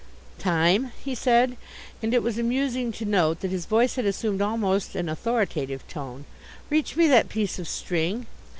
"Time," he said, and it was amusing to note that his voice had assumed almost an authoritative tone, "reach me that piece of string.